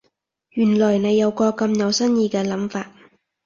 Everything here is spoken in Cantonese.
原來你有個咁有新意嘅諗法